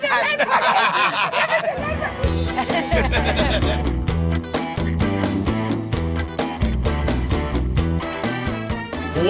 เราไม่ค่อยจะเล่น